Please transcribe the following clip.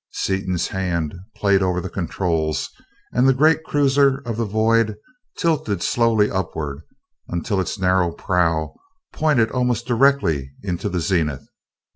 Seaton's hand played over the controls and the great cruiser of the void tilted slowly upward until its narrow prow pointed almost directly into the zenith.